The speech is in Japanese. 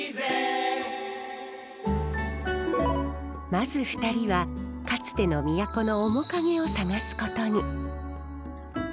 まず２人はかつての都の面影を探すことに。